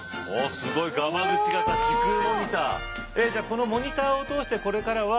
すごいガマグチ型時空モニター。